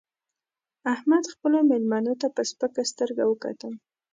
احمد خپلو مېلمنو ته په سپکه سترګه وکتل